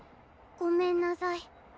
ごめんなさい。